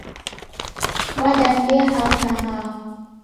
Mwadambie hao na hao?